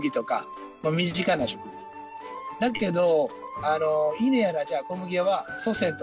だけど。